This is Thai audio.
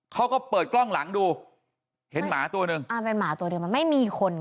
เขาก็เปิดกล้องหลังดูเห็นหมาตัวหนึ่งอ่าเป็นหมาตัวเดียวมันไม่มีคน